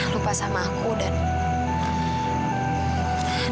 lupa sama aku dan